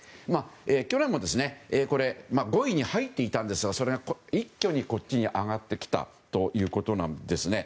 去年も５位に入っていたんですがそれが一挙にこっちに上がってきたということなんですね。